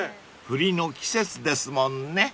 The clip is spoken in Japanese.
［栗の季節ですもんね］